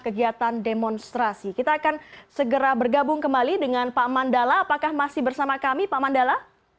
kegiatan demonstrasi kita akan segera bergabung kembali dengan pak mandala apakah masih bersama kami pak mandala